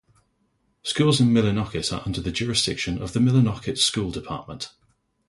Schools in Millinocket are under the jurisdiction of the Millinocket School Department.